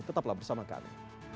tetaplah bersama kami